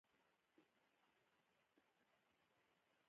چی د وګړو ترمنځ پر اړیکو، ډلو او ګوندونو